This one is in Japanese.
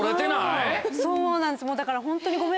そうなんですだからホントに。